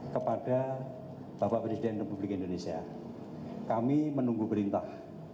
kepada bapak presiden republik indonesia kami menunggu perintah